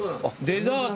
デザート。